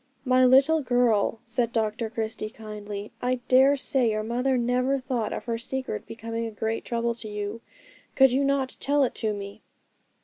'My little girl,' said Dr Christie kindly, 'I dare say your mother never thought of her secret becoming a great trouble to you. Could you not tell it to me?'